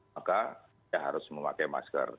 maka dia harus memakai masker